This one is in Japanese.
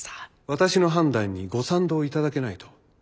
私の判断にご賛同頂けないと？